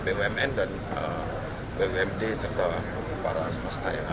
bumn dan bumd serta para swasta yang ada